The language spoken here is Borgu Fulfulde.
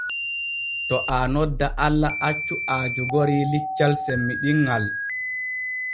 To aa nodda Allah accu aa jogori liccal semmiɗinŋal.